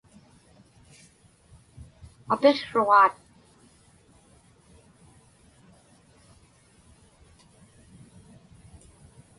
Apiqsruġaat.